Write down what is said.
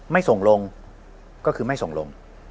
ไม่ส่งลงก็คือไม่ส่งลง